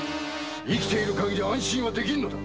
生きている限り安心は出来ないんだ。